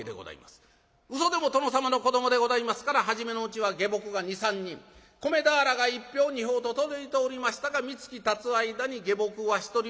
うそでも殿様の子どもでございますから初めのうちは下僕が２３人米俵が一俵二俵と届いておりましたが三月たつ間に下僕は一人もいなくなる。